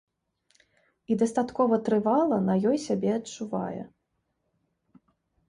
І дастаткова трывала на ёй сябе адчувае.